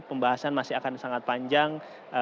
pembahasan masih akan sangat panjang